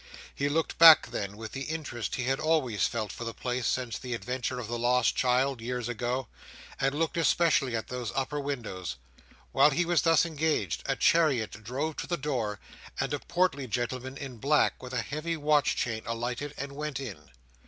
He looked back then; with the interest he had always felt for the place since the adventure of the lost child, years ago; and looked especially at those upper windows. While he was thus engaged, a chariot drove to the door, and a portly gentleman in black, with a heavy watch chain, alighted, and went in.